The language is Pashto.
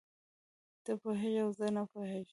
ته پوهېږې او زه نه پوهېږم.